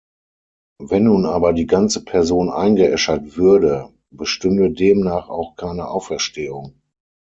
Wenn nun aber die ganze Person eingeäschert würde, bestünde demnach auch keine Auferstehung.